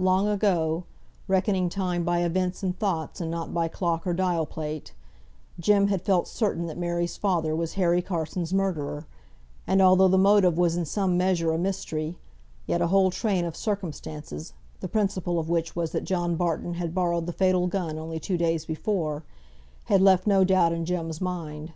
Long ago (reckoning time by events and thoughts, and not by clock or dial plate), Jem had felt certain that Mary's father was Harry Carson's murderer; and although the motive was in some measure a mystery, yet a whole train of circumstances (the principal of which was that John Barton had borrowed the fatal gun only two days before) had left no doubt in Jem's mind.